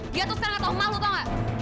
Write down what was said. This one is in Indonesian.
dia tuh sekarang gak tau malu tau gak